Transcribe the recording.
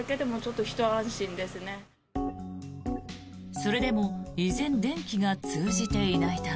それでも、依然電気が通じていないため。